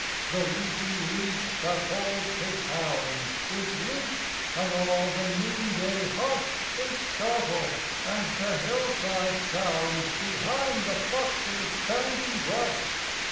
The leafy leash that holds his hounds Is loosed; and all the noonday hush Is startled; and the hillside sounds Behind the fox's bounding brush.